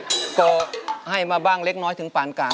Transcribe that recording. ก็ให้มาบ้างเล็กน้อยถึงปานกลาง